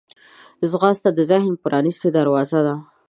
ځغاسته د ذهن پرانستې دروازې ده